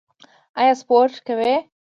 ایا سپورت کوئ؟